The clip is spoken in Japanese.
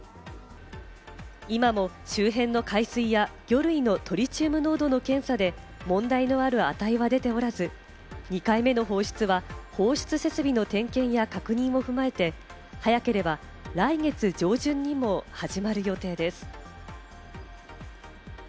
今も周辺の海水や魚類のトリチウム濃度の検査で問題のある値は出ておらず、２回目の放出は放出設備の点検や確認を踏まえて、早ければ来月上旬にも始まる予定です。